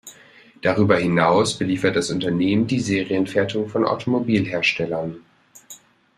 Darüber hinaus beliefert das Unternehmen die Serienfertigung von Automobilherstellern.